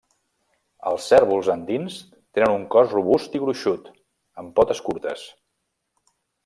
Els cérvols andins tenen un cos robust i gruixut, amb potes curtes.